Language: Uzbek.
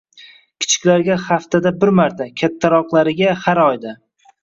Kichiklarga haftada bir marta, kattaroqlariga har oyda.